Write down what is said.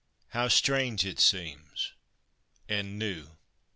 How strange it seems and new!"